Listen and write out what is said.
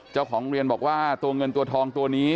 เจ้าของเรียนบอกว่าตัวเงินตัวทองตัวนี้